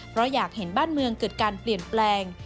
เพราะอยากเห็นบ้านเมืองเกิดการเปลี่ยนแปลง